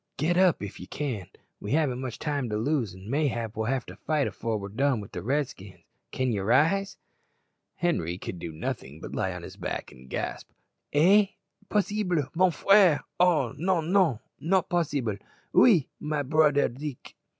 "Get up if ye can; we haven't much time to lose, an' mayhap we'll have to fight afore we're done wi' the Redskins. Can ye rise?" Henri could do nothing but lie on his back and gasp, "Eh! possible! mon frere! Oh, non, non, not possible. Oui! my broder Deek!"